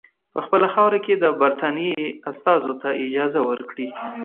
په خپله خاوره کې د برټانیې استازو ته اجازه ورکړي.